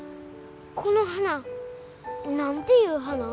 この花何ていう花？